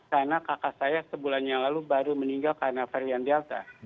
karena kakak saya sebulan yang lalu baru meninggal karena varian delta